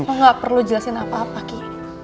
aku gak perlu jelasin apa apa ki